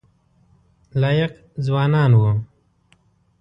لایق ځوانان وو.